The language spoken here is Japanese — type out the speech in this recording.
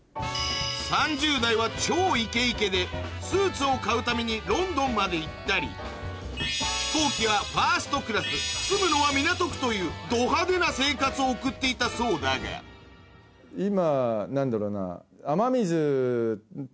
３０代は超イケイケでスーツを買うためにロンドンまで行ったり飛行機はファーストクラス住むのは港区というド派手な生活を送っていたそうだが今何だろうな。